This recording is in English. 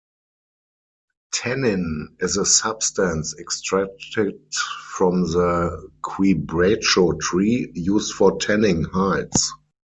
Tannin is a substance extracted from the "quebracho" tree, used for tanning hides.